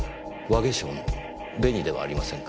和化粧の紅ではありませんか？